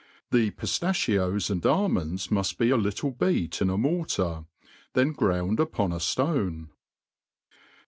The. piftachios and almonds muft.be a little beat in a mortar^ then ground upon a ftone.